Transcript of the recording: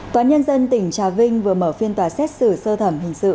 tòa nhân dân tỉnh trà vinh vừa mở phiên tòa xét xử sơ thẩm hình sự